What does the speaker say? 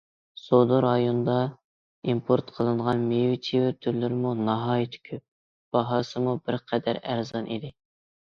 سودا رايونىدا ئىمپورت قىلىنغان مېۋە- چىۋە تۈرلىرىمۇ ناھايىتى كۆپ، باھاسىمۇ بىر قەدەر ئەرزان ئىدى.